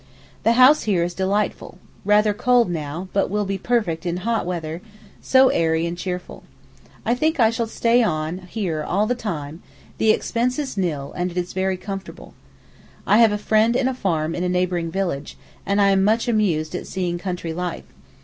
The house here is delightful—rather cold now, but will be perfect in hot weather—so airy and cheerful. I think I shall stay on here all the time the expense is nil, and it is very comfortable. I have a friend in a farm in a neighbouring village, and am much amused at seeing country life.